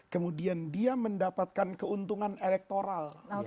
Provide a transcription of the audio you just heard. kemudian dia mendapatkan keuntungan elektoral